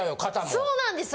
そうなんですよ。